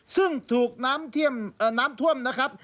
ซึ่งถูกน้ำท่วมนะครับ